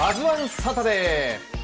サタデー。